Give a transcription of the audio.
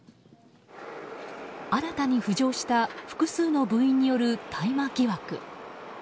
新たに浮上した複数の部員による大麻疑惑。